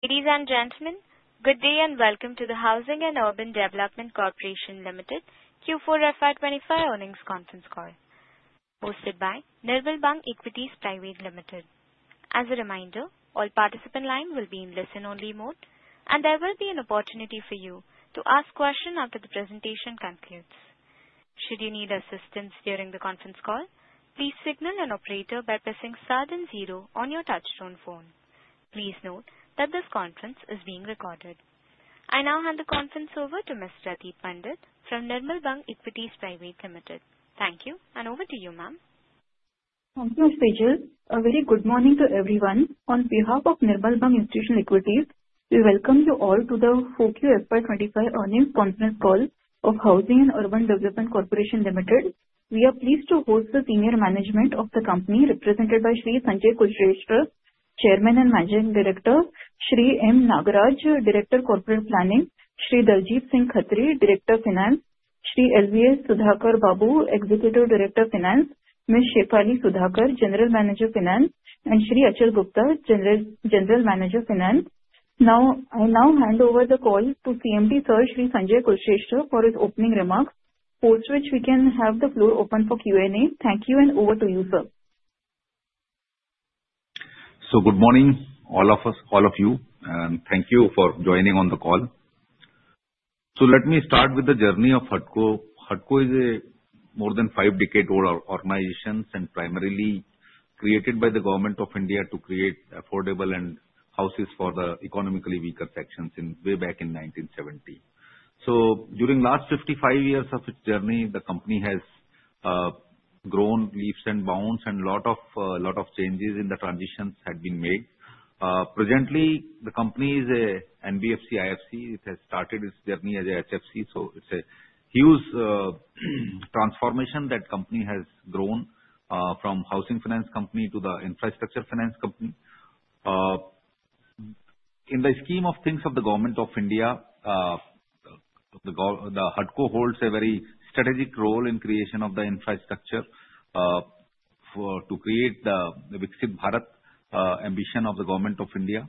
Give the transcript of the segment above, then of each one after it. Ladies and gentlemen, good day and welcome to the Housing and Urban Development Corporation Limited Q4 FY 2025 earnings conference call, hosted by Nirmal Bang Institutional Equities. As a reminder, all participants' lines will be in listen-only mode, and there will be an opportunity for you to ask questions after the presentation concludes. Should you need assistance during the conference call, please signal an operator by pressing star then zero on your touch-tone phone. Please note that this conference is being recorded. I now hand the conference over to Ms. Rati Pandit from Nirmal Bang Institutional Equities. Thank you, and over to you, ma'am. Thank you, Operator. A very good morning to everyone. On behalf of Nirmal Bang Institutional Equities, we welcome you all to the 4Q FY 2025 earnings conference call of Housing and Urban Development Corporation Limited. We are pleased to host the senior management of the company, represented by Shri Sanjay Kulshrestha, Chairman and Managing Director, Shri M. Nagaraj, Director of Corporate Planning, Shri Daljeet Singh Khatri, Director of Finance, Shri LVS Sudhakar Babu, Executive Director of Finance, Ms. Shefali Sudhakar, General Manager of Finance, and Shri Achal Gupta, General Manager of Finance. Now, I hand over the call to CMD Sir Shri Sanjay Kulshrestha, for his opening remarks, after which we can have the floor open for Q&A. Thank you, and over to you, sir. Good morning, all of you, and thank you for joining the call. Let me start with the journey of HUDCO. HUDCO is a more than five-decade-old organization and primarily created by the Government of India to create affordable houses for the economically weaker sections way back in 1970. During the last 55 years of its journey, the company has grown leaps and bounds, and a lot of changes in the transitions have been made. Presently, the company is an NBFC-IFC. It has started its journey as an HFC, so it's a huge transformation that the company has grown from a housing finance company to an infrastructure finance company. In the scheme of things of the Government of India, HUDCO holds a very strategic role in the creation of the infrastructure to create the Viksit Bharat ambition of the Government of India.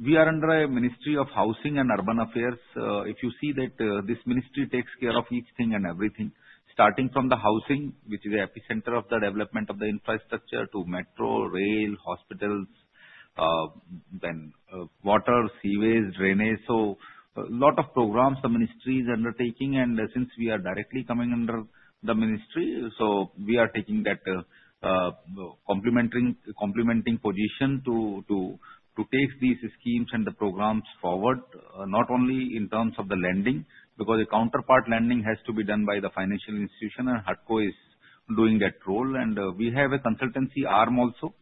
We are under a Ministry of Housing and Urban Affairs. If you see that this ministry takes care of each thing and everything, starting from the housing, which is the epicenter of the development of the infrastructure, to metro, rail, hospitals, then water, seaways, drainage, so a lot of programs the ministry is undertaking. And since we are directly coming under the ministry, so we are taking that complementing position to take these schemes and the programs forward, not only in terms of the lending, because the counterpart lending has to be done by the financial institution, and HUDCO is doing that role. And we have a consultancy arm also,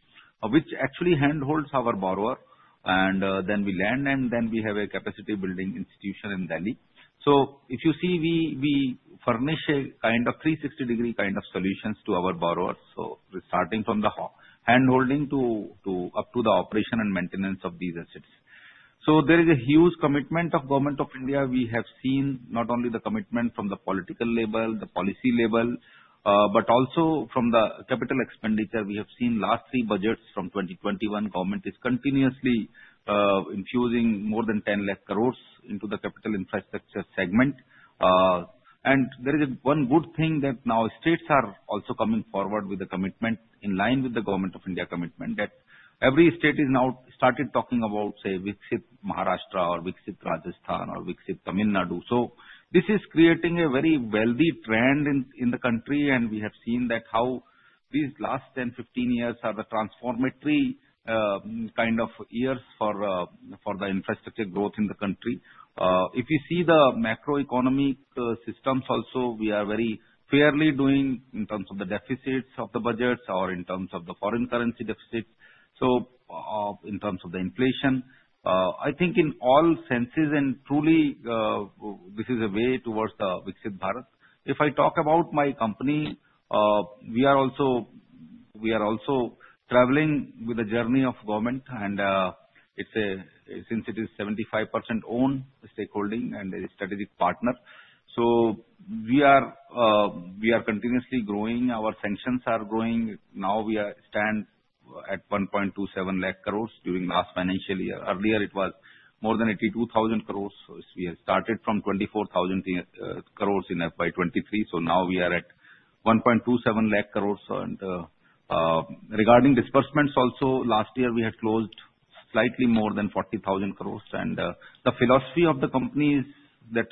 which actually hand-holds our borrower, and then we lend, and then we have a capacity-building institution in Delhi. So if you see, we furnish a kind of 360-degree kind of solutions to our borrowers, so starting from the hand-holding to up to the operation and maintenance of these assets. So there is a huge commitment of the Government of India. We have seen not only the commitment from the political level, the policy level, but also from the capital expenditure. We have seen the last three budgets from 2021. The government is continuously infusing more than 10 lakh crores into the capital infrastructure segment. And there is one good thing that now states are also coming forward with a commitment in line with the Government of India commitment that every state has now started talking about, say, Viksit Maharashtra or Viksit Rajasthan or Viksit Tamil Nadu. So this is creating a very wealthy trend in the country, and we have seen how these last 10, 15 years are the transformatory kind of years for the infrastructure growth in the country. If you see the macroeconomic systems also, we are very clearly doing in terms of the deficits of the budgets or in terms of the foreign currency deficits, so in terms of the inflation. I think in all senses, and truly, this is a way towards the Viksit Bharat. If I talk about my company, we are also traveling with the journey of the government, and since it is 75% owned stakeholding and a strategic partner, so we are continuously growing. Our sanctions are growing. Now we stand at 1.27 lakh crores during the last financial year. Earlier, it was more than 82,000 crores. We had started from 24,000 crores in FY 2023, so now we are at 1.27 lakh crores. And regarding disbursements also, last year we had closed slightly more than 40,000 crores. And the philosophy of the company is that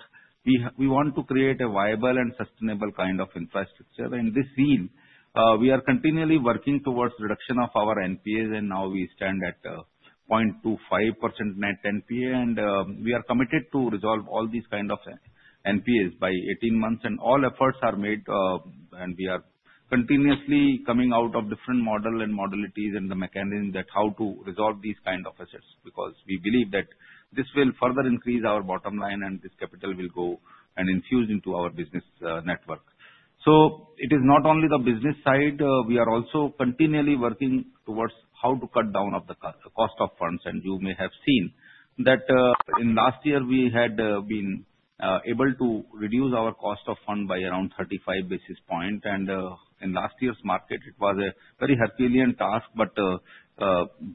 we want to create a viable and sustainable kind of infrastructure. In this scene, we are continually working towards the reduction of our NPAs, and now we stand at 0.25% net NPA, and we are committed to resolve all these kinds of NPAs by 18 months. And all efforts are made, and we are continuously coming out of different models and modalities and the mechanisms that how to resolve these kinds of assets, because we believe that this will further increase our bottom line and this capital will go and infuse into our business network. So it is not only the business side. We are also continually working towards how to cut down on the cost of funds. And you may have seen that in last year, we had been able to reduce our cost of fund by around 35 basis points. And in last year's market, it was a very Herculean task, but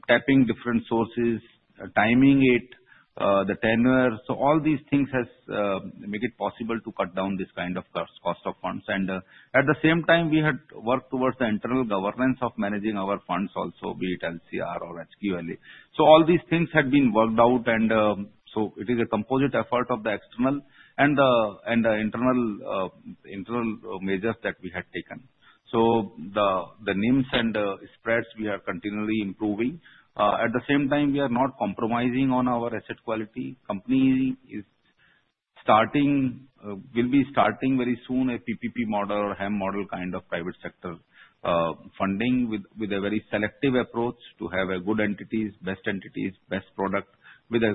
tapping different sources, timing it, the tenure, so all these things have made it possible to cut down this kind of cost of funds. And at the same time, we had worked towards the internal governance of managing our funds also, be it LCR or HQLA. So all these things had been worked out, and so it is a composite effort of the external and the internal measures that we had taken. So the NIMs and the spreads we are continually improving. At the same time, we are not compromising on our asset quality. The company will be starting very soon a PPP model or HAM model kind of private sector funding with a very selective approach to have good entities, best entities, best product with a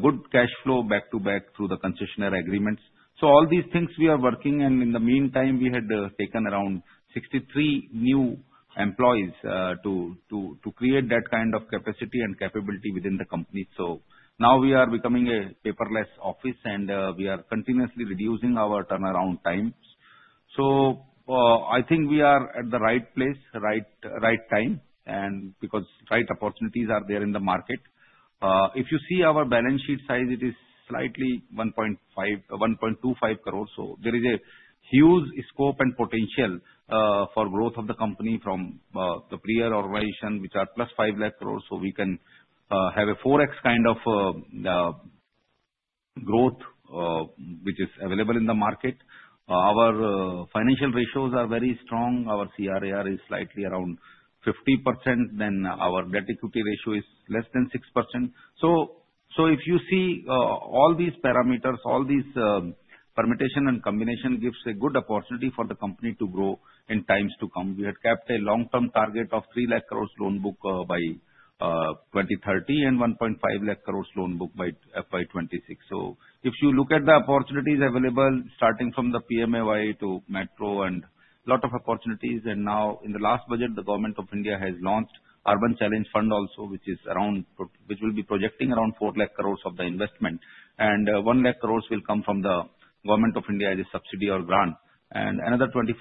good cash flow back-to-back through the concession agreements. So all these things we are working, and in the meantime, we had taken around 63 new employees to create that kind of capacity and capability within the company. So now we are becoming a paperless office, and we are continuously reducing our turnaround times. So I think we are at the right place, right time, because the right opportunities are there in the market. If you see our balance sheet size, it is 1.25 lakh crores. So there is a huge scope and potential for growth of the company from the peer organizations, which are plus 5 lakh crores. So we can have a 4x kind of growth, which is available in the market. Our financial ratios are very strong. Our CRAR is slightly around 50%. Then our debt equity ratio is less than 6%. So if you see all these parameters, all these permutation and combination gives a good opportunity for the company to grow in times to come. We had kept a long-term target of 3 lakh crores loan book by 2030 and 1.5 lakh crores loan book by FY 2026. So if you look at the opportunities available, starting from the PMAY to metro and a lot of opportunities. And now in the last budget, the Government of India has launched the Urban Challenge Fund also, which will be projecting around 4 lakh crores of the investment. And 1 lakh crores will come from the Government of India as a subsidy or grant. Another 25%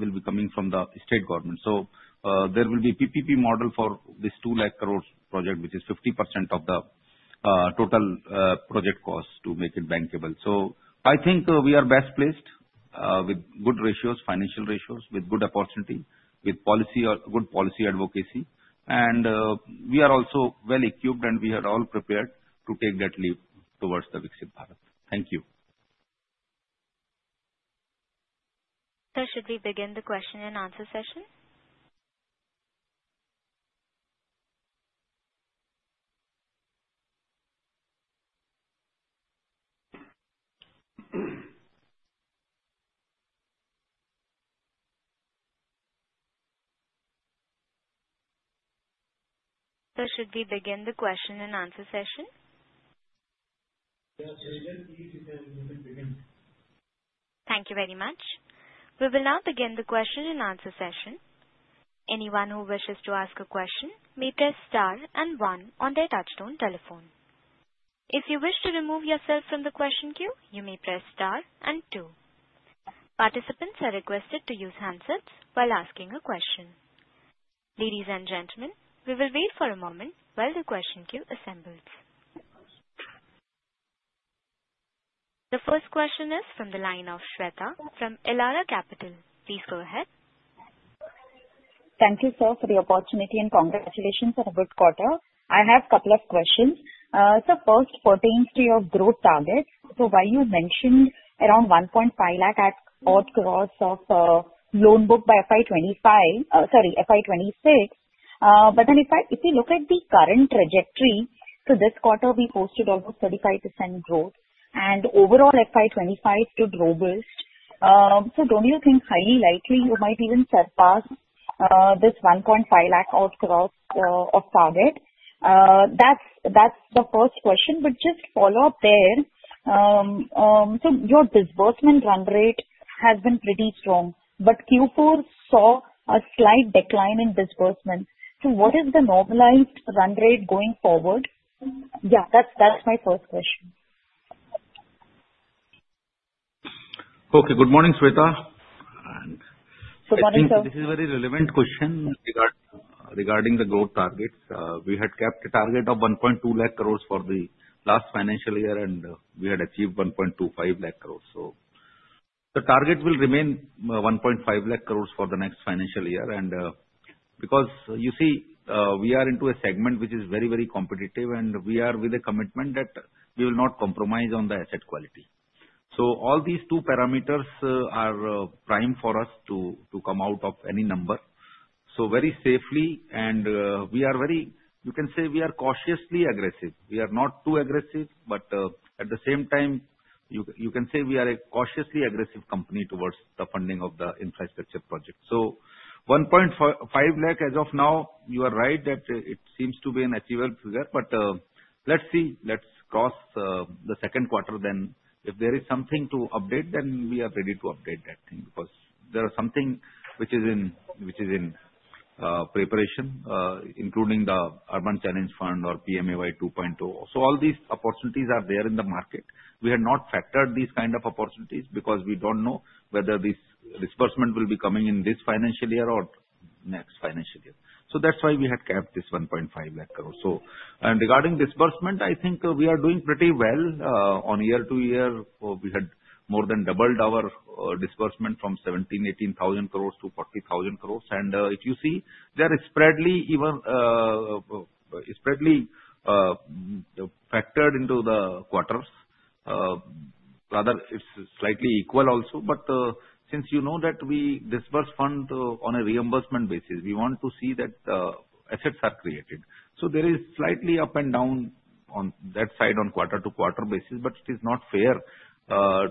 will be coming from the state government. So there will be a PPP model for this 2 lakh crores project, which is 50% of the total project cost to make it bankable. So I think we are best placed with good ratios, financial ratios, with good opportunity, with good policy advocacy. And we are also well-equipped, and we are all prepared to take that leap towards Viksit Bharat. Thank you. Sir, should we begin the question-and-answer session? Yes, please. You can begin. Thank you very much. We will now begin the question-and-answer session. Anyone who wishes to ask a question may press star and one on their touch-tone telephone. If you wish to remove yourself from the question queue, you may press star and two. Participants are requested to use handsets while asking a question. Ladies and gentlemen, we will wait for a moment while the question queue assembles. The first question is from the line of Shweta from Elara Capital. Please go ahead. Thank you, sir, for the opportunity and congratulations on a good quarter. I have a couple of questions. So first pertains to your growth targets. So while you mentioned around 1.5 lakh crores of loan book by FY 2025, sorry, FY 2026, but then if you look at the current trajectory, so this quarter we posted almost 35% growth, and overall FY 2025 stood robust. So don't you think highly likely you might even surpass this 1.5 lakh crores of target? That's the first question, but just follow up there. So your disbursement run rate has been pretty strong, but Q4 saw a slight decline in disbursement. So what is the normalized run rate going forward? Yeah, that's my first question. Okay. Good morning, Shweta. Good morning, sir. This is a very relevant question regarding the growth targets. We had kept a target of 1.2 lakh crores for the last financial year, and we had achieved 1.25 lakh crores. So the target will remain 1.5 lakh crores for the next financial year. And because you see, we are into a segment which is very, very competitive, and we are with a commitment that we will not compromise on the asset quality. So all these two parameters are prime for us to come out of any number. So very safely, and we are very, you can say we are cautiously aggressive. We are not too aggressive, but at the same time, you can say we are a cautiously aggressive company towards the funding of the infrastructure project. So 1.5 lakh as of now, you are right that it seems to be an achievable figure, but let's see. Let's cross the second quarter, then if there is something to update, then we are ready to update that thing because there is something which is in preparation, including the Urban Challenge Fund or PMAY 2.0, so all these opportunities are there in the market. We have not factored these kinds of opportunities because we don't know whether this disbursement will be coming in this financial year or next financial year, so that's why we had kept this 1.5 lakh crores, so regarding disbursement, I think we are doing pretty well. On year to year, we had more than doubled our disbursement from 17,000 crores-18,000 crores to 40,000 crores. And if you see, they are evenly factored into the quarters. Rather, it's slightly equal also, but since you know that we disbursed funds on a reimbursement basis, we want to see that assets are created. There is slightly up and down on that side on quarter-to-quarter basis, but it is not fair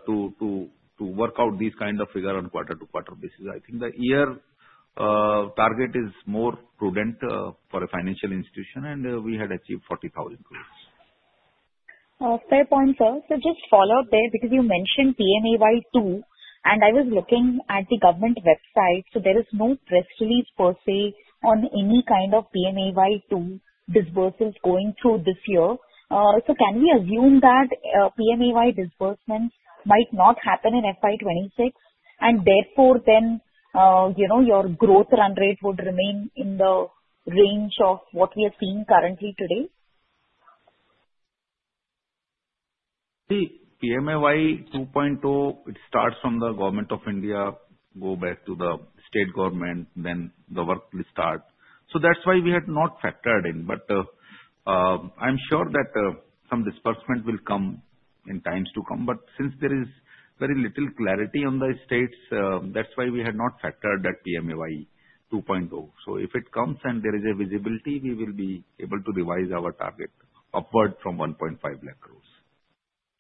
to work out these kinds of figures on quarter-to-quarter basis. I think the year target is more prudent for a financial institution, and we had achieved 40,000 crore. Fair point, sir. So just follow up there because you mentioned PMAY 2, and I was looking at the government website. So there is no press release per se on any kind of PMAY 2 disbursements going through this year. So can we assume that PMAY disbursements might not happen in FY 2026, and therefore then your growth run rate would remain in the range of what we are seeing currently today? See, PMAY 2.0, it starts from the Government of India, goes back to the state government, then the work will start. So that's why we had not factored in, but I'm sure that some disbursement will come in times to come. But since there is very little clarity on the states, that's why we had not factored that PMAY 2.0. So if it comes and there is a visibility, we will be able to revise our target upward from 1.5 lakh crores.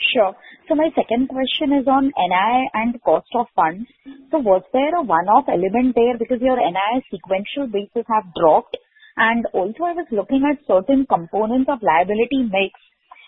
Sure. So my second question is on NII and cost of funds. So was there a one-off element there because your NII sequential basis have dropped? And also, I was looking at certain components of liability mix.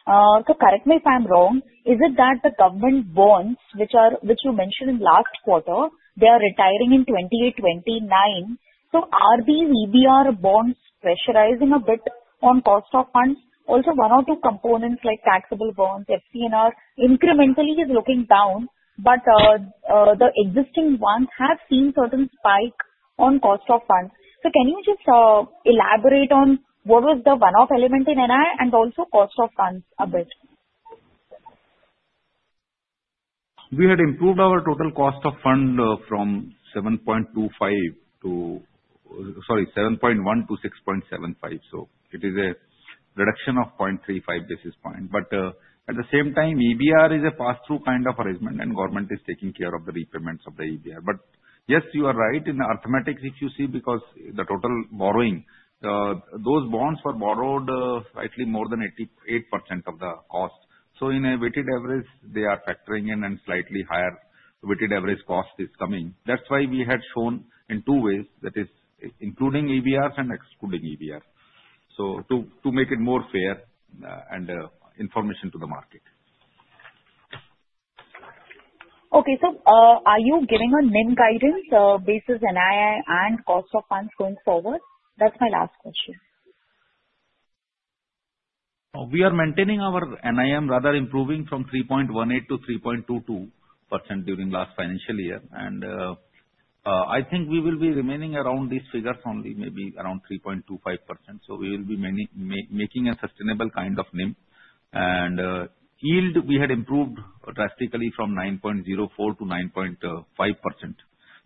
So correct me if I'm wrong. Is it that the government bonds, which you mentioned last quarter, they are retiring in 2028, 2029? So are these EBR bonds pressurizing a bit on cost of funds. Also, one or two components like taxable bonds, FCNR incrementally is looking down, but the existing ones have seen certain spikes on cost of funds. So can you just elaborate on what was the one-off element in NI and also cost of funds a bit? We had improved our total cost of funds from 7.25% to, sorry, 7.1 % to 6.75%. So it is a reduction of 0.35 basis points. But at the same time, EBR is a pass-through kind of arrangement, and government is taking care of the repayments of the EBR. But yes, you are right in the arithmetic, if you see, because the total borrowing, those bonds were borrowed slightly more than 88% of the cost. So in a weighted average, they are factoring in, and slightly higher weighted average cost is coming. That's why we had shown in two ways, that is including EBRs and excluding EBRs, so to make it more fair and informative to the market. Okay, so are you giving a NIM guidance basis NII and cost of funds going forward? That's my last question. We are maintaining our NIM, rather improving from 3.18%-3.22% during last financial year. And I think we will be remaining around these figures, only maybe around 3.25%. So we will be making a sustainable kind of NIM. And yield, we had improved drastically from 9.04%-9.5%.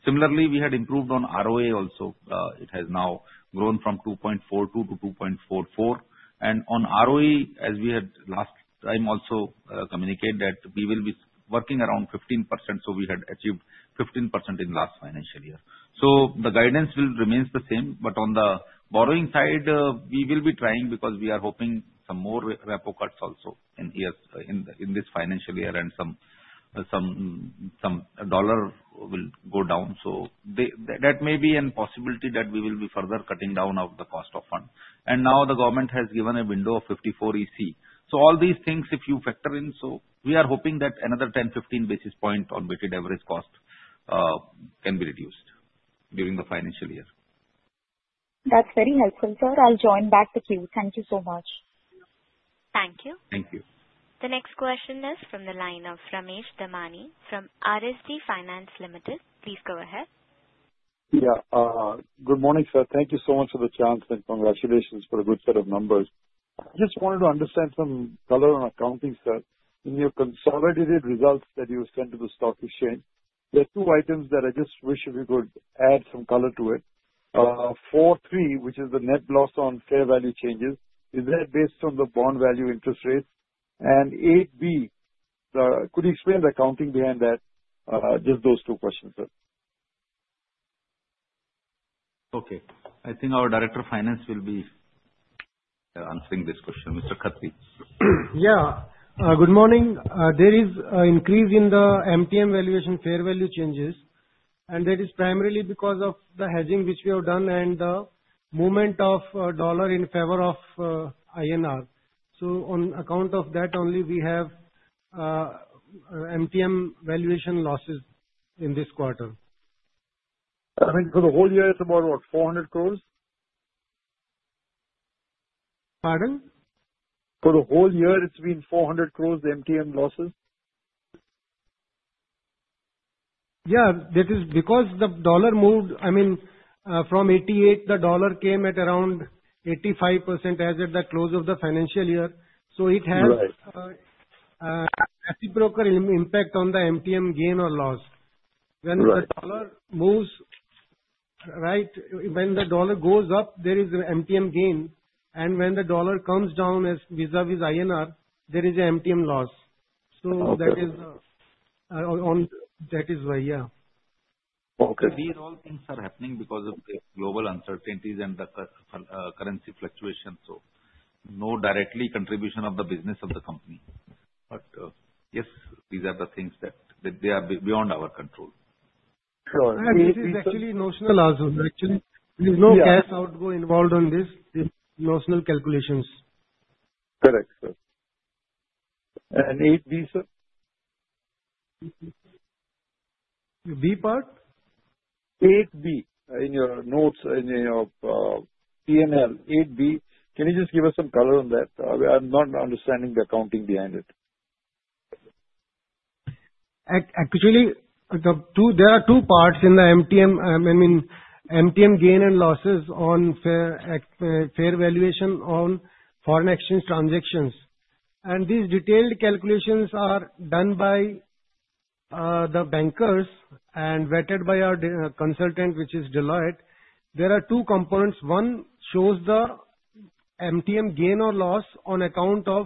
Similarly, we had improved on ROA also. It has now grown from 2.42%-2.44%. And on ROE, as we had last time also communicated that we will be working around 15%. So we had achieved 15% in last financial year. So the guidance will remain the same. But on the borrowing side, we will be trying because we are hoping some more repo cuts also in this financial year, and some dollar will go down. So that may be a possibility that we will be further cutting down of the cost of fund. And now the government has given a window of 54EC. So all these things, if you factor in, so we are hoping that another 10-15 basis points on weighted average cost can be reduced during the financial year. That's very helpful, sir. I'll join back the queue. Thank you so much. Thank you. Thank you. The next question is from the line of Ramesh Damani from RSD Finance Limited. Please go ahead. Yeah. Good morning, sir. Thank you so much for the chance and congratulations for a good set of numbers. I just wanted to understand some color on accounting, sir. In your consolidated results that you sent to the stock exchange, there are two items that I just wish if you could add some color to it. four-three, which is the net loss on fair value changes, is that based on the bond value interest rate? And 8-B, could you explain the accounting behind that? Just those two questions, sir. Okay. I think our Director of Finance will be answering this question. Mr. Khatri. Yeah. Good morning. There is an increase in the MTM valuation fair value changes, and that is primarily because of the hedging which we have done and the movement of dollar in favor of INR. So on account of that only, we have MTM valuation losses in this quarter. I mean, for the whole year, it's about what, 400 crores? Pardon? For the whole year, it's been 400 crores MTM losses? Yeah. That is because the dollar moved, I mean, from 88, the dollar came at around 85% as at the close of the financial year. So it has a broader impact on the MTM gain or loss. When the dollar moves, right, when the dollar goes up, there is an MTM gain. And when the dollar comes down vis-à-vis INR, there is an MTM loss. So that is why, yeah. Okay. These all things are happening because of the global uncertainties and the currency fluctuation. So no direct contribution of the business of the company. But yes, these are the things that they are beyond our control. Sure. It's actually notional as well. Actually, there is no cash outgoing involved on these notional calculations. Correct, sir. And 8-B, sir? B part? 8-B in your notes in your P&L. 8-B. Can you just give us some color on that? We are not understanding the accounting behind it. Actually, there are two parts in the MTM, I mean, MTM gain and losses on fair valuation on foreign exchange transactions. And these detailed calculations are done by the bankers and vetted by our consultant, which is Deloitte. There are two components. One shows the MTM gain or loss on account of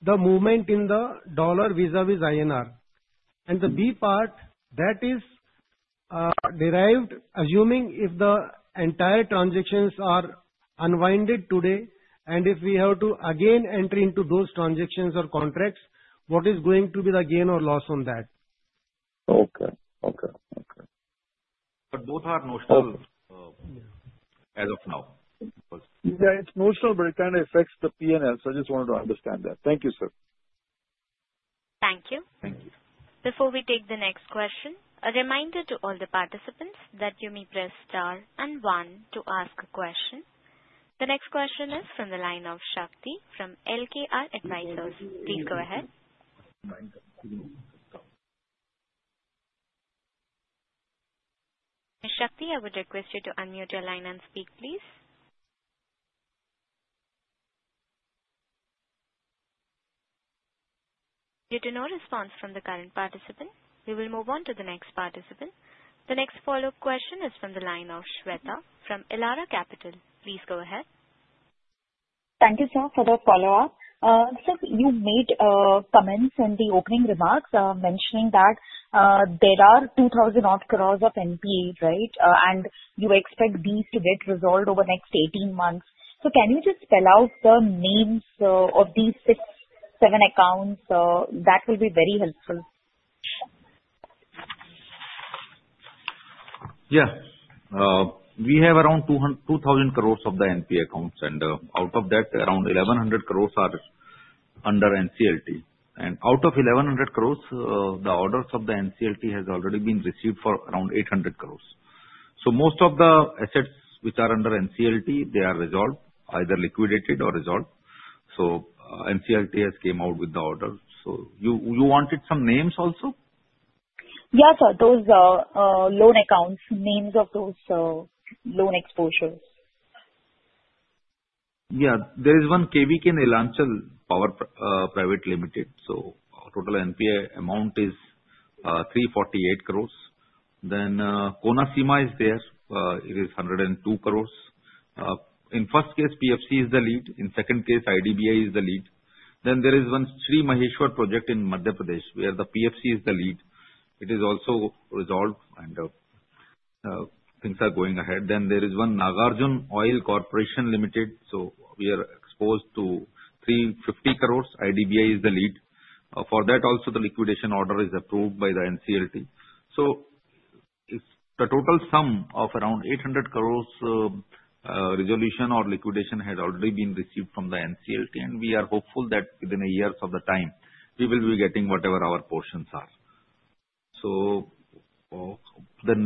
the movement in the dollar vis-à-vis INR. And the B part, that is derived, assuming if the entire transactions are unwound today, and if we have to again enter into those transactions or contracts, what is going to be the gain or loss on that? Okay. But both are notional as of now. Yeah. It's notional, but it kind of affects the P&L. So I just wanted to understand that. Thank you, sir. Thank you. Thank you. Before we take the next question, a reminder to all the participants that you may press star and one to ask a question. The next question is from the line of Shakti from LKR Advisors. Please go ahead. Shakti, I would request you to unmute your line and speak, please. Due to no response from the current participant, we will move on to the next participant. The next follow-up question is from the line of Shweta from Elara Capital. Please go ahead. Thank you, sir, for the follow-up. Sir, you made comments in the opening remarks mentioning that there are 2,000-odd crores of NPA, right? And you expect these to get resolved over the next 18 months. So can you just spell out the names of these six, seven accounts? That will be very helpful. Yeah. We have around 2,000 crores of the NPA accounts, and out of that, around 1,100 crores are under NCLT. And out of 1,100 crores, the orders of the NCLT have already been received for around 800 crores. So most of the assets which are under NCLT, they are resolved, either liquidated or resolved. So NCLT has come out with the order. So you wanted some names also? Yes, sir. Those loan accounts, names of those loan exposures? Yeah. There is one KVK Nilachal Power Private Limited. So total NPA amount is 348 crores. Then Konaseema is there. It is 102 crores. In first case, PFC is the lead. In second case, IDBI is the lead. Then there is one Shree Maheshwar project in Madhya Pradesh where the PFC is the lead. It is also resolved, and things are going ahead. Then there is one Nagarjuna Oil Corporation Limited. So we are exposed to 350 crores. IDBI is the lead. For that also, the liquidation order is approved by the NCLT. So the total sum of around 800 crores resolution or liquidation has already been received from the NCLT, and we are hopeful that within a year of the time, we will be getting whatever our portions are. So the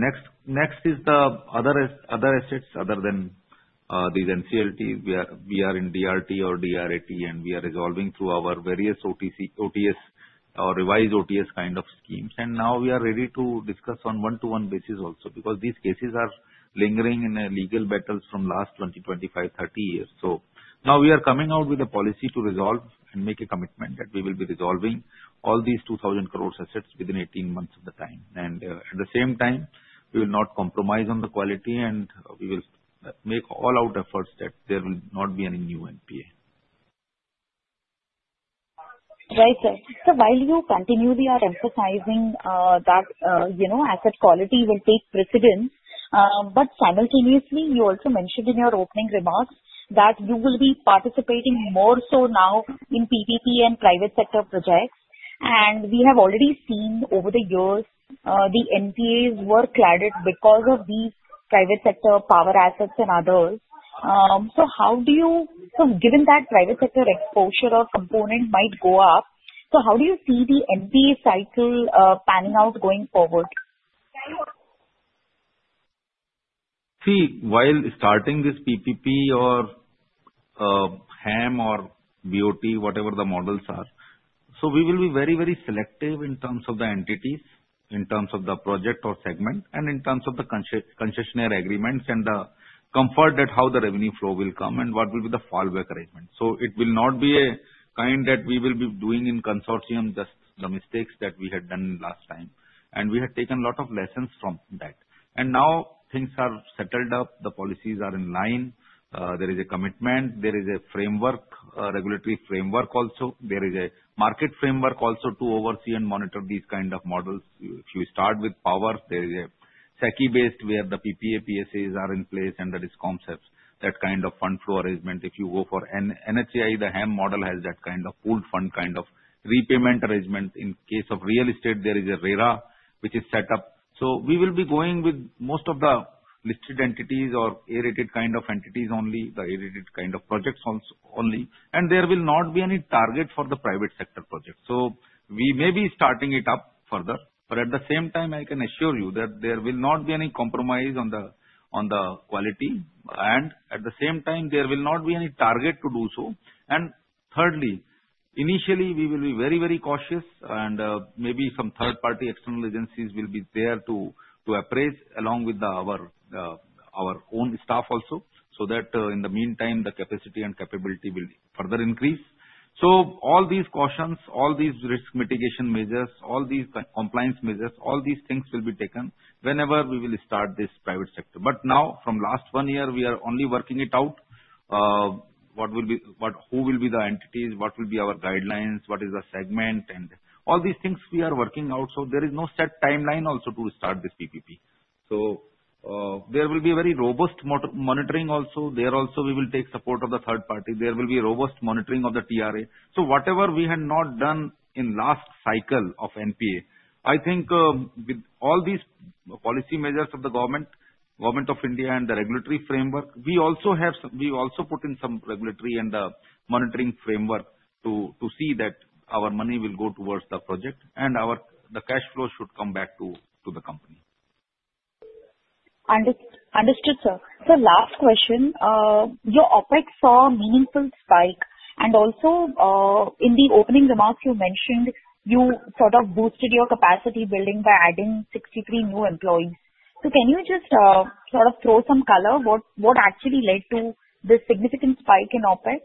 next is the other assets other than this NCLT. We are in DRT or DRAT, and we are resolving through our various OTS or revised OTS kind of schemes. And now we are ready to discuss on one-to-one basis also because these cases are lingering in legal battles from last 20, 25, 30 years. So now we are coming out with a policy to resolve and make a commitment that we will be resolving all these 2,000 crores assets within 18 months of the time. And at the same time, we will not compromise on the quality, and we will make all-out efforts that there will not be any new NPA. Right, sir. So while you continually are emphasizing that asset quality will take precedence, but simultaneously, you also mentioned in your opening remarks that you will be participating more so now in PPP and private sector projects. And we have already seen over the years the NPAs were clustered because of these private sector power assets and others. So how do you, so given that private sector exposure or component might go up, so how do you see the NPA cycle panning out going forward? See, while starting this PPP or HAM or BOT, whatever the models are, so we will be very, very selective in terms of the entities, in terms of the project or segment, and in terms of the concessionaire agreements and the comfort that how the revenue flow will come and what will be the fallback arrangement. So it will not be a kind that we will be doing in consortium, just the mistakes that we had done last time. And we had taken a lot of lessons from that. And now things are settled up. The policies are in line. There is a commitment. There is a framework, regulatory framework also. There is a market framework also to oversee and monitor these kind of models. If you start with power, there is a SECI-based where the PPA PSAs are in place, and there is concepts, that kind of fund flow arrangement. If you go for NHAI, the HAM model has that kind of pooled fund kind of repayment arrangement. In case of real estate, there is a RERA, which is set up. We will be going with most of the listed entities or A-rated kind of entities only, the A-rated kind of projects only. There will not be any target for the private sector projects. We may be starting it up further. At the same time, I can assure you that there will not be any compromise on the quality, and at the same time, there will not be any target to do so. And thirdly, initially, we will be very, very cautious, and maybe some third-party external agencies will be there to appraise along with our own staff also. So that in the meantime, the capacity and capability will further increase. So all these cautions, all these risk mitigation measures, all these compliance measures, all these things will be taken whenever we will start this private sector. But now, from last one year, we are only working it out. What will be who will be the entities? What will be our guidelines? What is the segment? And all these things we are working out. So there is no set timeline also to start this PPP. So there will be very robust monitoring also. There also, we will take support of the third party. There will be robust monitoring of the TRA. Whatever we had not done in last cycle of NPA, I think with all these policy measures of the government, Government of India, and the regulatory framework, we also have put in some regulatory and monitoring framework to see that our money will go towards the project and the cash flow should come back to the company. Understood, sir. So last question, your OpEx saw a meaningful spike. And also, in the opening remarks, you mentioned you sort of boosted your capacity building by adding 63 new employees. So can you just sort of throw some color? What actually led to this significant spike in OpEx?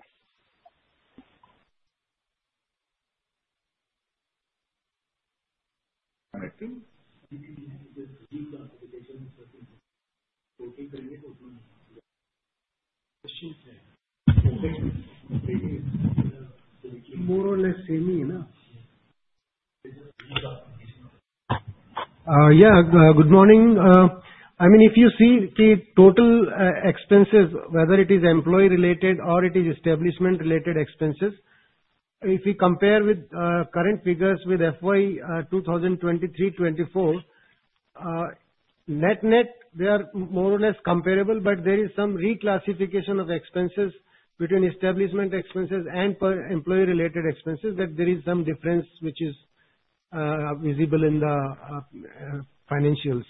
Yeah. Good morning. I mean, if you see the total expenses, whether it is employee-related or it is establishment-related expenses, if we compare with current figures with FY 2023,2024, net-net, they are more or less comparable, but there is some reclassification of expenses between establishment expenses and employee-related expenses that there is some difference which is visible in the financials.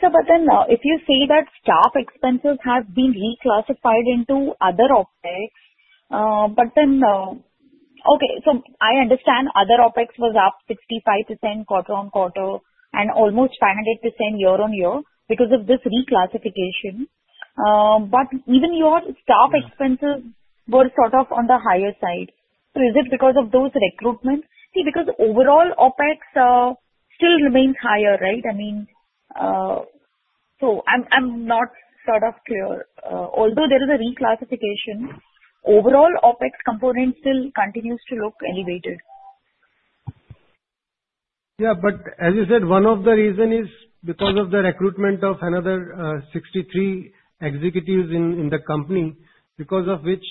Sir, but then if you say that staff expenses have been reclassified into other OpEx, but then okay. So I understand other OpEx was up 65% quarter on quarter and almost 500% year on year because of this reclassification. But even your staff expenses were sort of on the higher side. So is it because of those recruitments? See, because overall OpEx still remains higher, right? I mean, so I'm not sort of clear. Although there is a reclassification, overall OpEx component still continues to look elevated. Yeah. But as you said, one of the reasons is because of the recruitment of another 63 executives in the company, because of which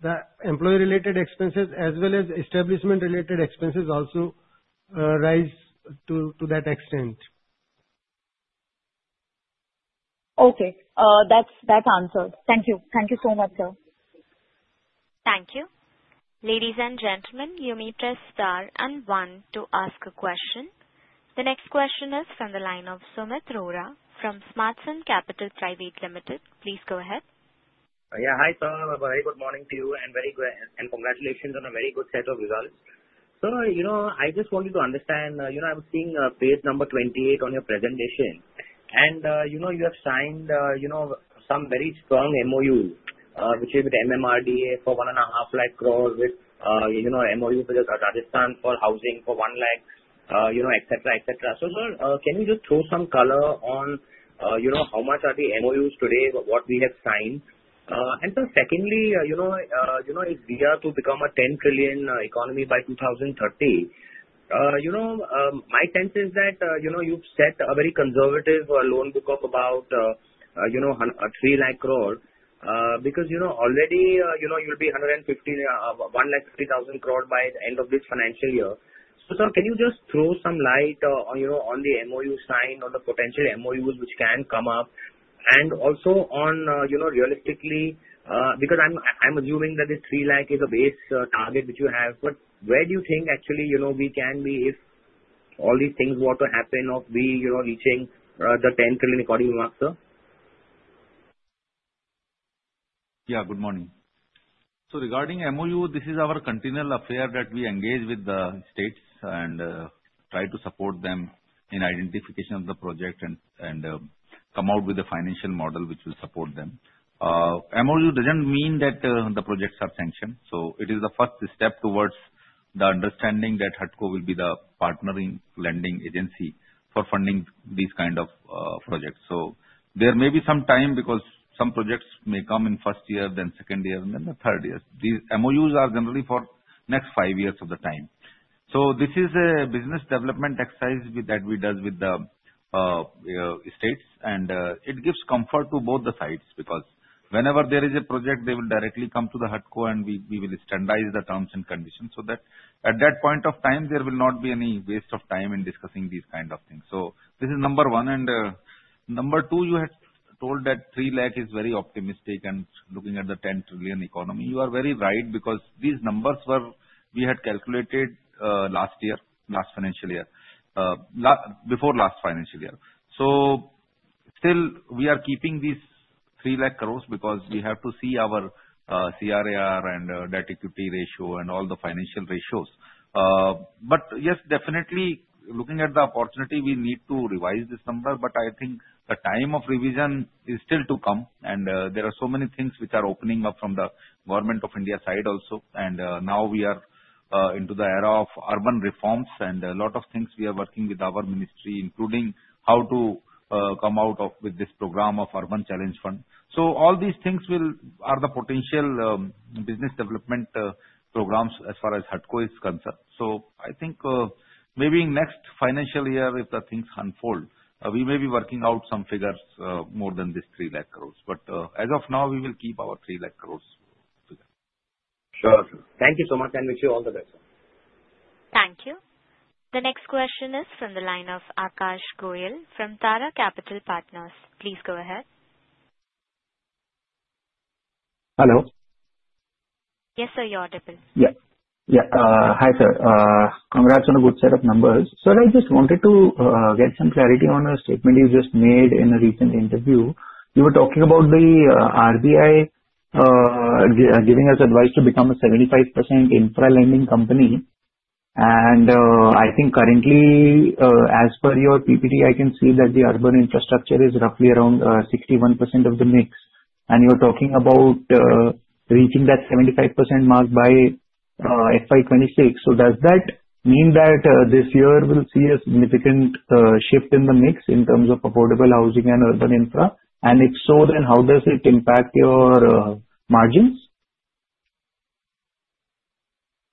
the employee-related expenses as well as establishment-related expenses also rise to that extent. Okay. That's answered. Thank you. Thank you so much, sir. Thank you. Ladies and gentlemen, you may press star and one to ask a question. The next question is from the line of Sumeet Rohra from Smartsun Capital Private Limited. Please go ahead. Yeah. Hi, sir. Very good morning to you and congratulations on a very good set of results. Sir, I just wanted to understand. I was seeing page number 28 on your presentation. And you have signed some very strong MOU, which is with MMRDA for 1.5 lakh crore with MOU with Rajasthan for housing for 1 lakh, etc., etc. So, sir, can you just throw some color on how much are the MOUs today, what we have signed? And then secondly, if we are to become a $10 trillion economy by 2030, my sense is that you've set a very conservative loan book of about 3 lakh crore because already you'll be 150,000 crore by the end of this financial year. So, sir, can you just throw some light on the MOU signed or the potential MOUs which can come up? Also on realistically, because I'm assuming that this 3 lakh is a base target which you have, but where do you think actually we can be if all these things were to happen of we reaching the $10 trillion economy mark, sir? Yeah. Good morning. So, regarding MOU, this is our continuous affair that we engage with the states and try to support them in identification of the project and come out with a financial model which will support them. MOU doesn't mean that the projects are sanctioned. So, it is the first step towards the understanding that HUDCO will be the partnering lending agency for funding these kind of projects. So, there may be some time because some projects may come in first year, then second year, and then the third year. These MOUs are generally for next five years of the time. This is a business development exercise that we do with the states, and it gives comfort to both the sides because whenever there is a project, they will directly come to the HUDCO, and we will standardize the terms and conditions so that at that point of time, there will not be any waste of time in discussing these kind of things. This is number one. Number two, you had told that 3 lakh is very optimistic and looking at the $10 trillion economy. You are very right because these numbers were we had calculated last year, last financial year, before last financial year. Still, we are keeping these 3 lakh crores because we have to see our CRAR and debt equity ratio and all the financial ratios. But yes, definitely, looking at the opportunity, we need to revise this number, but I think the time of revision is still to come. And there are so many things which are opening up from the Government of India side also. And now we are into the era of urban reforms and a lot of things we are working with our ministry, including how to come out with this program of Urban Challenge Fund. So all these things are the potential business development programs as far as HUDCO is concerned. So I think maybe next financial year, if the things unfold, we may be working out some figures more than this 3 lakh crores. But as of now, we will keep our 3 lakh crores figure. Sure, sir. Thank you so much, and wish you all the best, sir. Thank you. The next question is from the line of Akash Goyal from Tara Capital Partners. Please go ahead. Hello. Yes, sir. You're audible. Yes. Yeah. Hi, sir. Congrats on a good set of numbers. Sir, I just wanted to get some clarity on a statement you just made in a recent interview. You were talking about the RBI giving us advice to become a 75% infra lending company. And I think currently, as per your PPT, I can see that the urban infrastructure is roughly around 61% of the mix. And you're talking about reaching that 75% mark by FY 2026. So does that mean that this year we'll see a significant shift in the mix in terms of affordable housing and urban infra? And if so, then how does it impact your margins?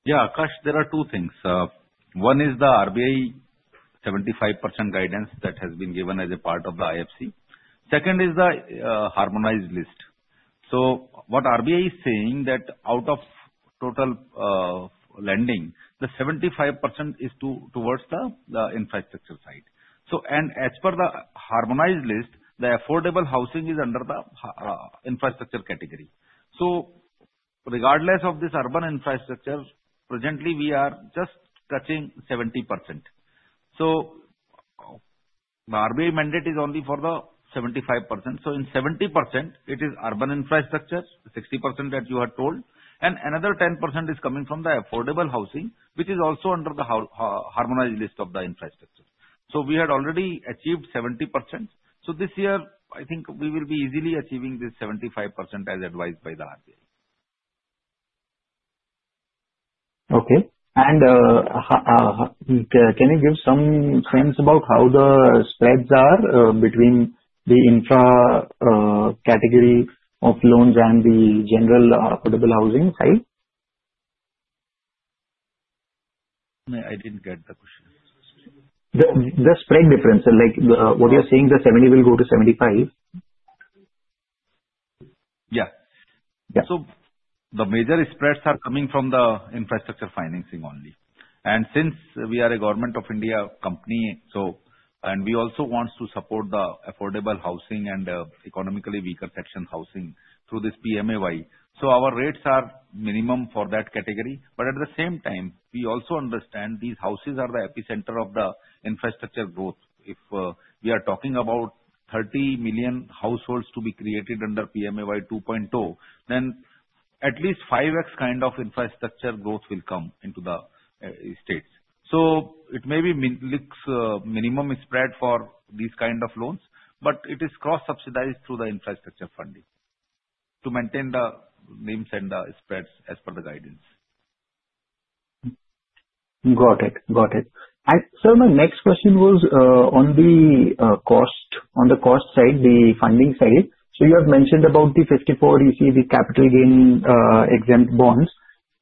Yeah. Akash, there are two things. One is the RBI 75% guidance that has been given as a part of the IFC. Second is the harmonized list. So what RBI is saying is that out of total lending, the 75% is towards the infrastructure side. And as per the harmonized list, the affordable housing is under the infrastructure category. So regardless of this urban infrastructure, presently, we are just touching 70%. So the RBI mandate is only for the 75%. So in 70%, it is urban infrastructure, 60% that you are told, and another 10% is coming from the affordable housing, which is also under the harmonized list of the infrastructure. So we had already achieved 70%. So this year, I think we will be easily achieving this 75% as advised by the RBI. Okay. And can you give some sense about how the spreads are between the infra category of loans and the general affordable housing side? I didn't get the question. The spread difference, like what you're saying, the 70% will go to 75%? Yeah. So the major spreads are coming from the infrastructure financing only. And since we are a Government of India company, and we also want to support the affordable housing and economically weaker section housing through this PMAY, so our rates are minimum for that category. But at the same time, we also understand these houses are the epicenter of the infrastructure growth. If we are talking about 30 million households to be created under PMAY 2.0, then at least 5x kind of infrastructure growth will come into the states. So it may be minimum spread for these kind of loans, but it is cross-subsidized through the infrastructure funding to maintain the NIMs and the spreads as per the guidance. Got it. Got it. Sir, my next question was on the cost side, the funding side. So you have mentioned about the 54EC capital gain exempt bonds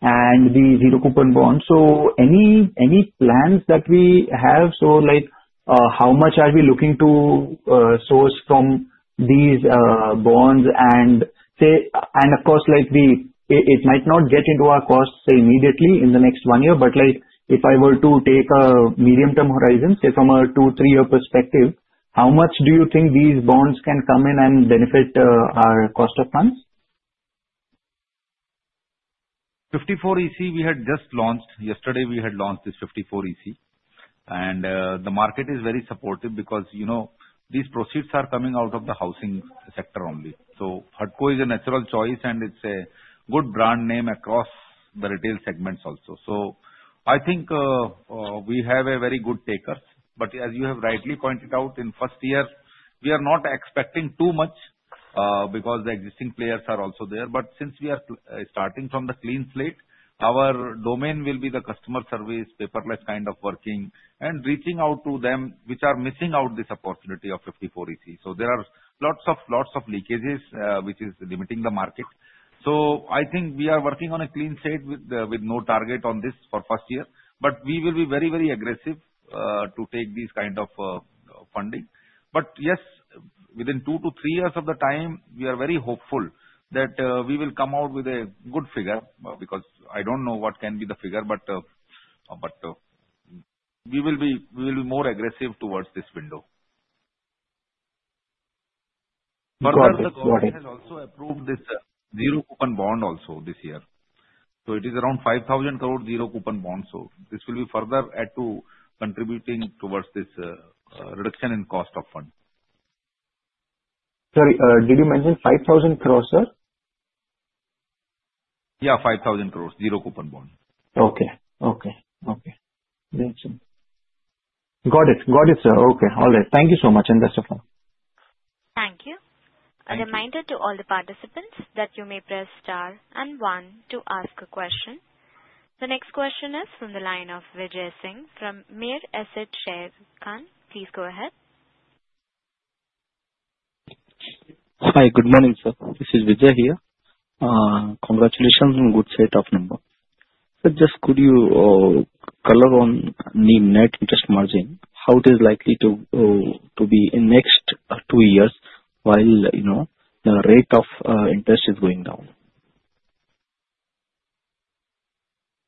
and the zero-coupon bonds. So any plans that we have? So how much are we looking to source from these bonds? And of course, it might not get into our cost, say, immediately in the next one year, but if I were to take a medium-term horizon, say, from a two, three-year perspective, how much do you think these bonds can come in and benefit our cost of funds? 54EC, we had just launched yesterday. We had launched this 54EC. And the market is very supportive because these proceeds are coming out of the housing sector only. So HUDCO is a natural choice, and it's a good brand name across the retail segments also. So I think we have a very good taker. But as you have rightly pointed out, in first year, we are not expecting too much because the existing players are also there. But since we are starting from the clean slate, our domain will be the customer service, paperless kind of working, and reaching out to them which are missing out this opportunity of 54EC. So there are lots of leakages which is limiting the market. So I think we are working on a clean slate with no target on this for first year, but we will be very, very aggressive to take these kind of funding. But yes, within two to three years of the time, we are very hopeful that we will come out with a good figure because I don't know what can be the figure, but we will be more aggressive towards this window. Further, the government has also approved this zero-coupon bond also this year. So it is around 5,000 crores zero-coupon bond. So this will be further add to contributing towards this reduction in cost of fund. Sorry, did you mention 5,000 crores, sir? Yeah, 5,000 crores zero-coupon bond. Okay. Got it, sir. All right. Thank you so much, and best of luck. Thank you. A reminder to all the participants that you may press star and one to ask a question. The next question is from the line of Vijay Singh from Mirae Asset Sharekhan. Please go ahead. Hi, good morning, sir. This is Vijay here. Congratulations on good set of numbers. Sir, just could you color on the net interest margin? How it is likely to be in next two years while the rate of interest is going down?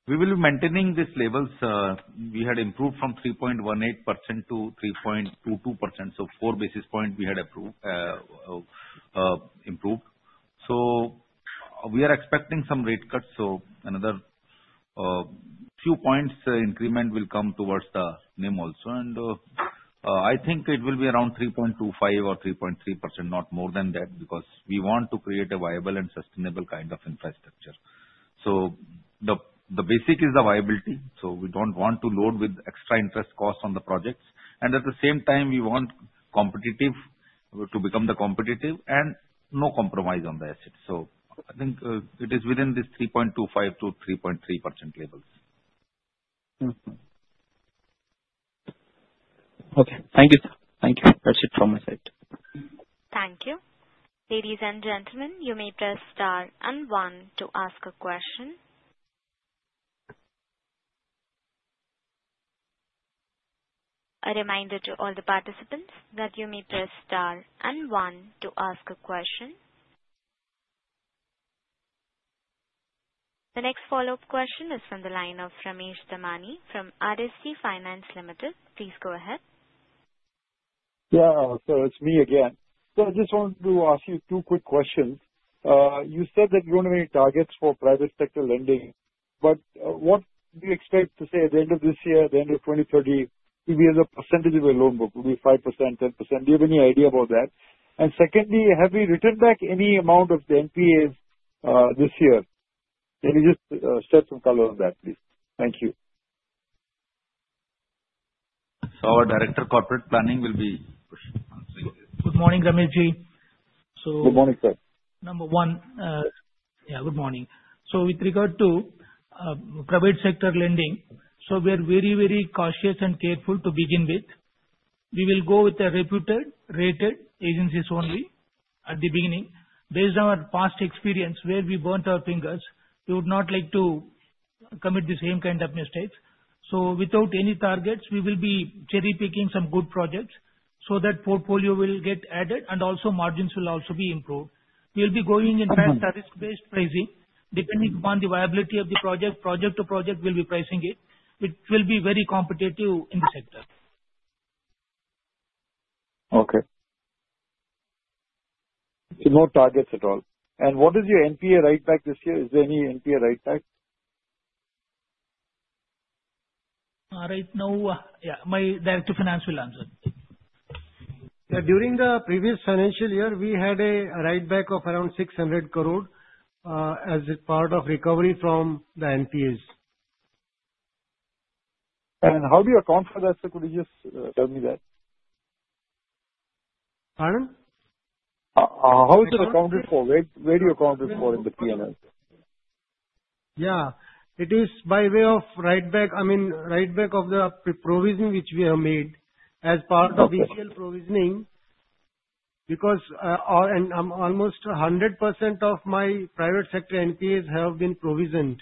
We will be maintaining these levels. We had improved from 3.18%-3.22%. So four basis points we had improved. So we are expecting some rate cuts. So another few points increment will come towards the NIM also. And I think it will be around 3.25% or 3.3%, not more than that because we want to create a viable and sustainable kind of infrastructure. So the basis is the viability. So we don't want to load with extra interest costs on the projects. And at the same time, we want to become the competitive and no compromise on the asset. So I think it is within this 3.25%-3.3% levels. Okay. Thank you, sir. Thank you. That's it from my side. Thank you. Ladies and gentlemen, you may press star and one to ask a question. A reminder to all the participants that you may press star and one to ask a question. The next follow-up question is from the line of Ramesh Damani from RSD Finance Limited. Please go ahead. Yeah. So it's me again. So I just wanted to ask you two quick questions. You said that you don't have any targets for private sector lending, but what do you expect to say at the end of this year, at the end of 2030, if we have a percentage of your loan book? Would it be 5%, 10%? Do you have any idea about that? And secondly, have we written back any amount of the NPAs this year? Can you just share some color on that, please? Thank you. So our Director of Corporate Planning will be answering this. Good morning, Ramesh ji. Good morning, sir. Number one, yeah, good morning. So with regard to private sector lending, so we are very, very cautious and careful to begin with. We will go with the reputed, rated agencies only at the beginning. Based on our past experience, where we burnt our fingers, we would not like to commit the same kind of mistakes. So without any targets, we will be cherry-picking some good projects so that portfolio will get added and also margins will also be improved. We'll be going, in fact, risk-based pricing. Depending upon the viability of the project, project to project, we'll be pricing it. It will be very competitive in the sector. Okay. No targets at all. And what is your NPA write back this year? Is there any NPA write back? Right now, yeah, my Director of Finance will answer. Yeah. During the previous financial year, we had a write-back of around 600 crores as part of recovery from the NPAs. And how do you account for that? Could you just tell me that? Pardon? How is it accounted for? Where do you account it for in the P&L? Yeah. It is by way of write-back. I mean, write-back of the provision which we have made as part of ECL provisioning because almost 100% of my private sector NPAs have been provisioned.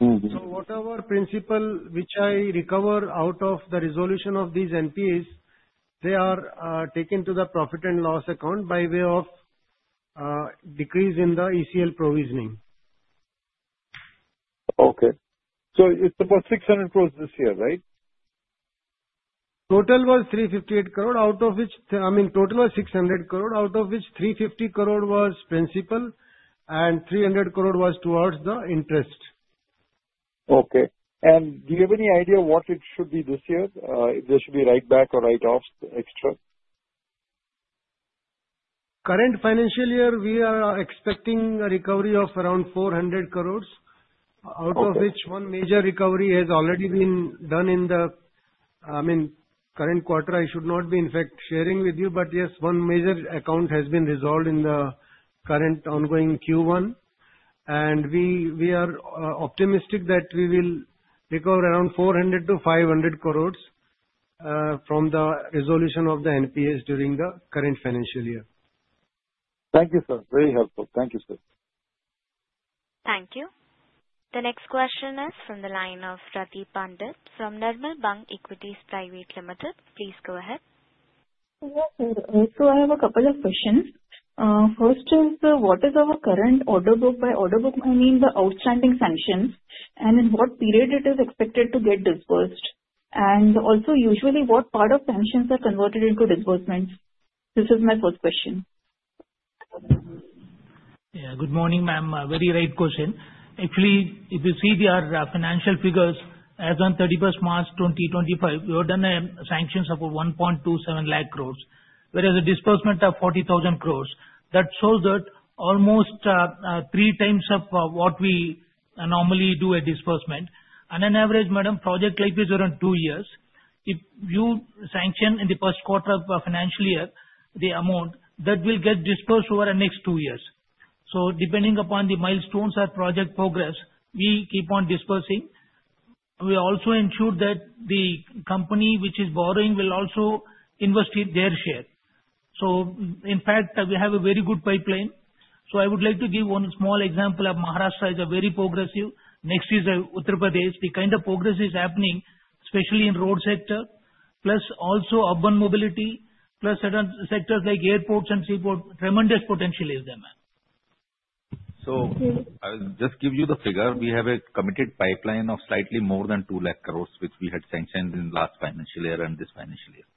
So whatever principal which I recover out of the resolution of these NPAs, they are taken to the profit and loss account by way of decrease in the ECL provisioning. Okay, so it's about 600 crores this year, right? Total was 358 crores, out of which I mean, total was 600 crores, out of which 350 crores was principal and 300 crores was towards the interest. Okay. And do you have any idea what it should be this year? If there should be write-back or write-off extra? Current financial year, we are expecting a recovery of around 400 crores, out of which one major recovery has already been done in the, I mean, current quarter. I should not be, in fact, sharing with you, but yes, one major account has been resolved in the current ongoing Q1. And we are optimistic that we will recover around 400 crores-500 crores from the resolution of the NPAs during the current financial year. Thank you, sir. Very helpful. Thank you, sir. Thank you. The next question is from the line of Rati Pandit from Nirmal Bang Institutional Equities. Please go ahead. Yes, sir. Also, I have a couple of questions. First is, what is our current order book? By order book, I mean the outstanding sanctions and in what period it is expected to get disbursed, and also, usually, what part of sanctions are converted into disbursements? This is my first question. Yeah. Good morning, ma'am. Very right question. Actually, if you see the financial figures as on 31st March 2025, we have done sanctions of 1.27 lakh crores, whereas a disbursement of 40,000 crores. That shows that almost three times of what we normally do a disbursement. On an average, madam, project life is around two years. If you sanction in the first quarter of a financial year, the amount that will get disbursed over the next two years. So depending upon the milestones or project progress, we keep on disbursing. We also ensure that the company which is borrowing will also invest their share. So in fact, we have a very good pipeline. So I would like to give one small example of Maharashtra is a very progressive. Next is Uttar Pradesh. The kind of progress is happening, especially in road sector, plus also urban mobility, plus sectors like airports and seaports, tremendous potential is there, ma'am. I'll just give you the figure. We have a committed pipeline of slightly more than 2 lakh crores, which we had sanctioned in last financial year and this financial year.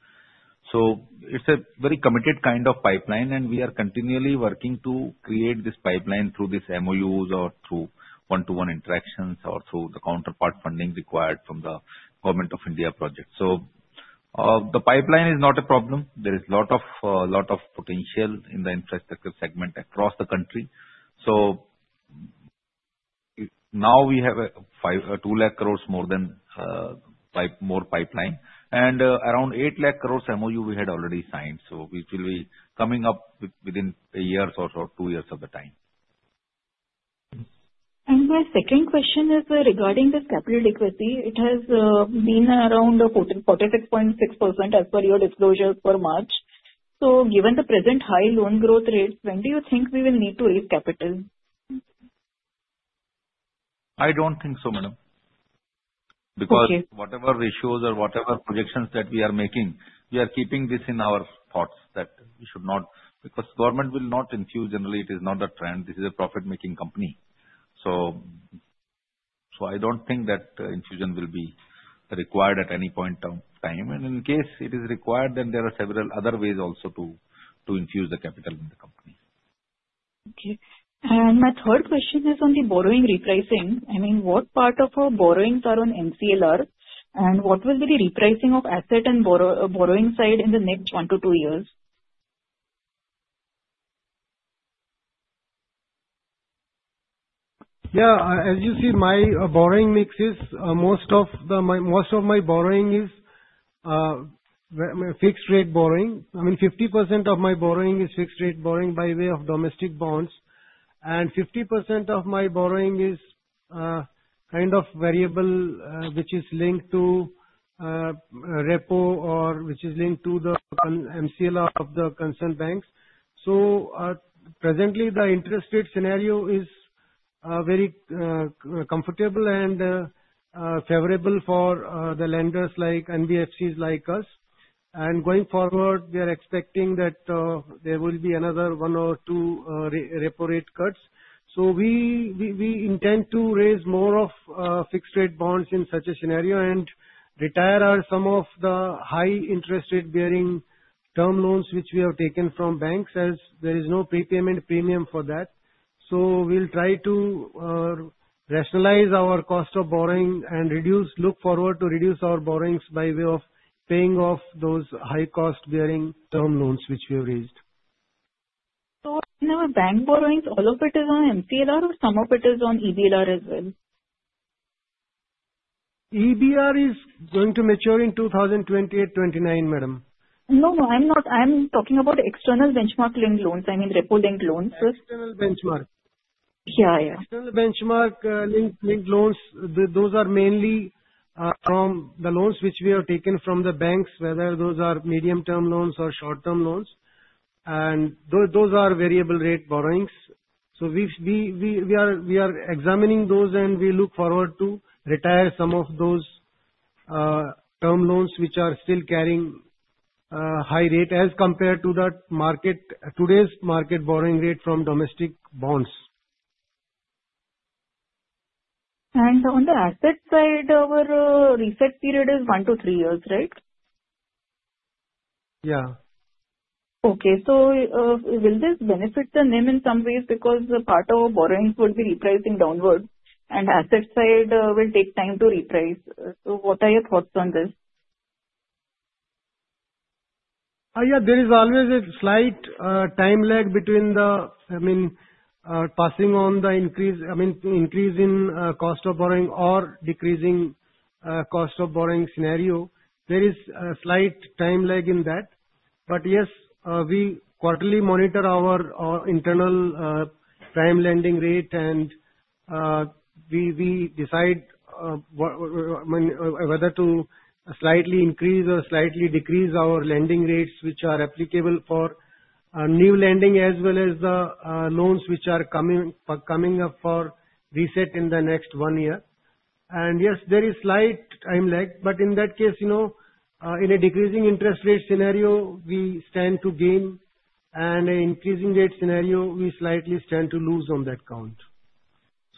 It's a very committed kind of pipeline, and we are continually working to create this pipeline through these MOUs or through one-to-one interactions or through the counterpart funding required from the Government of India project. The pipeline is not a problem. There is a lot of potential in the infrastructure segment across the country. Now we have 2 lakh crores more pipeline and around 8 lakh crores MOU we had already signed. It will be coming up within a year or two years of the time. My second question is regarding this capital equity. It has been around 46.6% as per your disclosure for March. Given the present high loan growth rates, when do you think we will need to raise capital? I don't think so, madam. Because whatever ratios or whatever projections that we are making, we are keeping this in our thoughts that we should not because government will not infuse. Generally, it is not a trend. This is a profit-making company. So I don't think that infusion will be required at any point of time. And in case it is required, then there are several other ways also to infuse the capital in the company. Okay. And my third question is on the borrowing repricing. I mean, what part of our borrowings are on MCLR, and what will be the repricing of asset and borrowing side in the next one to two years? Yeah. As you see, my borrowing mix is most of my borrowing is fixed-rate borrowing. I mean, 50% of my borrowing is fixed-rate borrowing by way of domestic bonds, and 50% of my borrowing is kind of variable, which is linked to repo or which is linked to the MCLR of the concerned banks. So presently, the interest rate scenario is very comfortable and favorable for the lenders like NBFCs like us. And going forward, we are expecting that there will be another one or two repo rate cuts. So we intend to raise more of fixed-rate bonds in such a scenario and retire some of the high interest rate bearing term loans which we have taken from banks as there is no prepayment premium for that. We'll try to rationalize our cost of borrowing and look forward to reduce our borrowings by way of paying off those high-cost bearing term loans which we have raised. So in our bank borrowings, all of it is on MCLR or some of it is on EBLR as well? EBR is going to mature in 2028-2029, madam. No, no. I'm talking about external benchmark-linked loans. I mean repo linked loans. External benchmark. Yeah, yeah. External benchmark-linked loans, those are mainly from the loans which we have taken from the banks, whether those are medium-term loans or short-term loans, and those are variable-rate borrowings, so we are examining those, and we look forward to retire some of those term loans which are still carrying high rate as compared to today's market borrowing rate from domestic bonds. On the asset side, our reflective period is one to three years, right? Yeah. Okay. So will this benefit the NIM in some ways because part of our borrowings would be repricing downward, and asset side will take time to reprice? So what are your thoughts on this? Yeah. There is always a slight time lag between the, I mean, passing on the increase in cost of borrowing or decreasing cost of borrowing scenario. There is a slight time lag in that. But yes, we quarterly monitor our internal prime lending rate, and we decide whether to slightly increase or slightly decrease our lending rates which are applicable for new lending as well as the loans which are coming up for reset in the next one year. And yes, there is slight time lag. But in that case, in a decreasing interest rate scenario, we stand to gain, and in an increasing rate scenario, we slightly stand to lose on that count.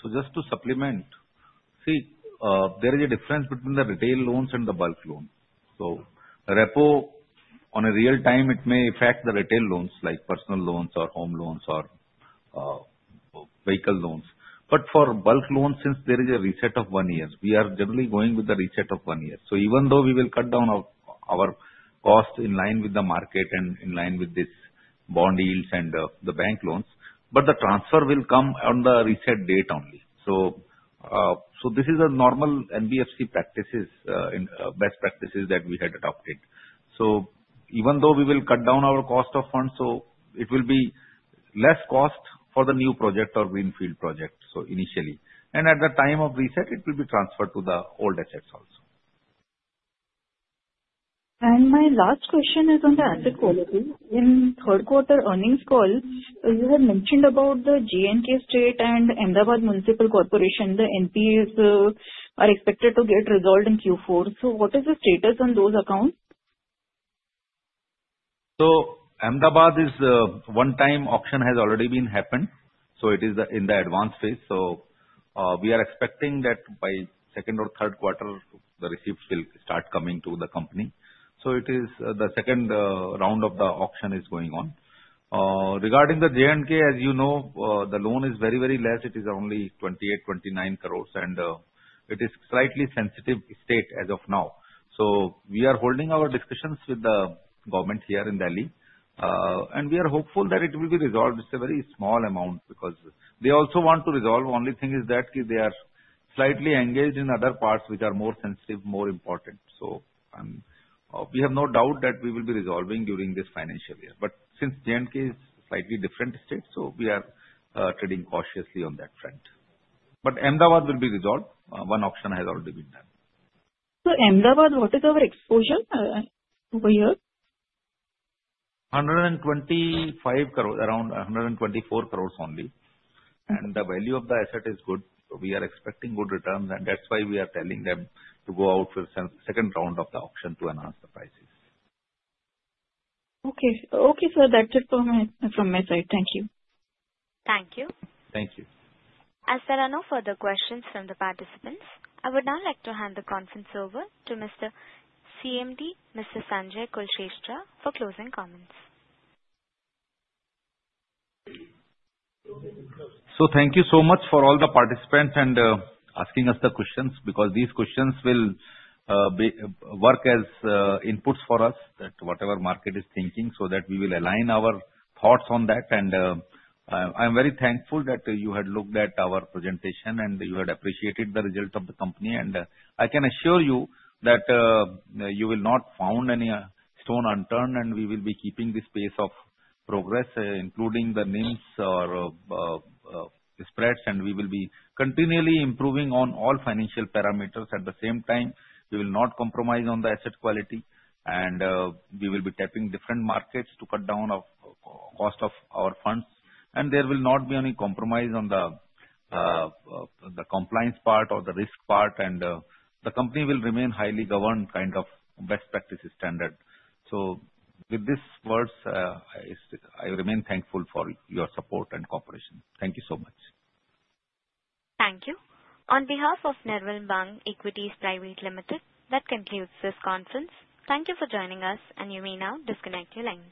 So just to supplement, see, there is a difference between the retail loans and the bulk loans. So repo, in real time, it may affect the retail loans like personal loans or home loans or vehicle loans. But for bulk loans, since there is a reset of one year, we are generally going with the reset of one year. So even though we will cut down our cost in line with the market and in line with these bond yields and the bank loans, the transfer will come on the reset date only. So this is a normal NBFC best practices that we had adopted. So even though we will cut down our cost of funds, it will be less cost for the new project or greenfield project, so initially. And at the time of reset, it will be transferred to the old assets also. My last question is on the asset quality. In third quarter earnings call, you had mentioned about the J&K State and Ahmedabad Municipal Corporation. The NPAs are expected to get resolved in Q4. So what is the status on those accounts? Ahmedabad's one-time auction has already been happened. It is in the advance phase. We are expecting that by second or third quarter, the receipts will start coming to the company. The second round of the auction is going on. Regarding the J&K, as you know, the loan is very, very less. It is only 28 crores-29 crores, and it is a slightly sensitive state as of now. We are holding our discussions with the government here in Delhi, and we are hopeful that it will be resolved. It's a very small amount because they also want to resolve. The only thing is that they are slightly engaged in other parts which are more sensitive, more important. We have no doubt that we will be resolving during this financial year. But since J&K is a slightly different state, so we are trading cautiously on that front. But Ahmedabad will be resolved. One auction has already been done. Ahmedabad, what is our exposure over here? Around 124 crores only. And the value of the asset is good. So we are expecting good returns, and that's why we are telling them to go out for the second round of the auction to announce the prices. Okay. So that's it from my side. Thank you. Thank you. Thank you. As there are no further questions from the participants, I would now like to hand the conference over to Mr. CMD, Mr. Sanjay Kulshrestha for closing comments. So, thank you so much for all the participants and asking us the questions, because these questions will work as inputs for us that whatever market is thinking, so that we will align our thoughts on that. And I'm very thankful that you had looked at our presentation and you had appreciated the result of the company. And I can assure you that you will not found any stone unturned, and we will be keeping this pace of progress, including the NIMs or spreads, and we will be continually improving on all financial parameters. At the same time, we will not compromise on the asset quality, and we will be tapping different markets to cut down the cost of our funds. And there will not be any compromise on the compliance part or the risk part, and the company will remain highly governed kind of best practices standard. So with these words, I remain thankful for your support and cooperation. Thank you so much. Thank you. On behalf of Nirmal Bang Institutional Equities, that concludes this conference. Thank you for joining us, and you may now disconnect your lines.